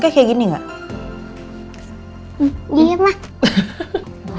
aku gak mau